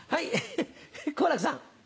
好楽さん。